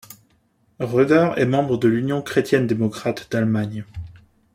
Rödder est membre de l'Union chrétienne-démocrate d'Allemagne.